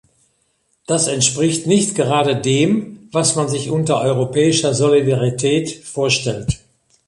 Das entspricht nicht gerade dem, was man sich unter europäischer Solidarität vorstellt.